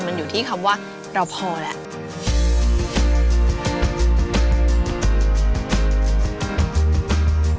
มันอยู่ที่คำว่าเราพอแล้ว